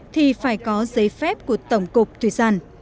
thì phải có giấy phép của tổng cục thủy sản